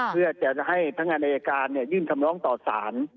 เพื่อจะให้พนักงานอายการยื่นคำร้องต่อสาร